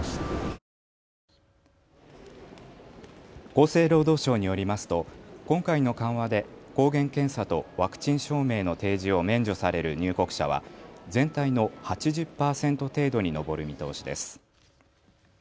厚生労働省によりますと今回の緩和で抗原検査とワクチン証明の提示を免除される入国者は全体の８０％程度に上る見通しです。